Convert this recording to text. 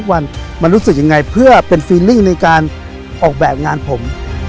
วันมันรู้สึกยังไงเพื่อเป็นฟีลิ่งในการออกแบบงานผม